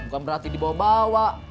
bukan berarti dibawa bawa